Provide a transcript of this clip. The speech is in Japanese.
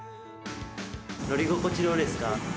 乗り心地どうですか？